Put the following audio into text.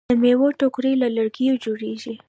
د میوو ټوکرۍ له لرګیو جوړیږي.